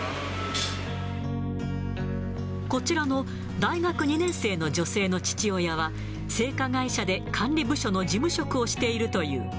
こちらの大学２年生の女性の父親は、製菓会社で管理部署の事務職をしているという。